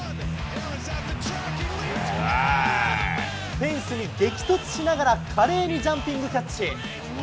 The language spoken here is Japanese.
フェンスに激突しながら、華麗にジャンピングキャッチ。